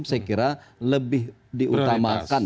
saya kira lebih diutamakan